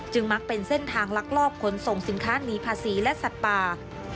มักเป็นเส้นทางลักลอบขนส่งสินค้านีภาษีและสัตว์ป่า